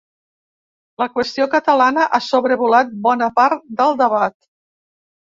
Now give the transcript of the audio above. La qüestió catalana ha sobrevolat bona part del debat.